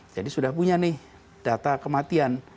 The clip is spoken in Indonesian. jadi sudah punya nih data kematian